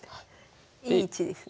いい位置ですね。